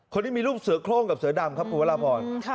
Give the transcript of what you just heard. คนนี้มีลูกเสือโครงกับเสือดำครับคุณวรพร